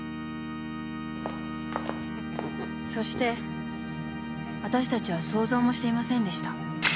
［そしてわたしたちは想像もしていませんでした］